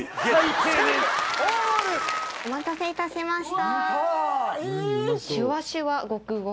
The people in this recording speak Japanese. お待たせいたしました。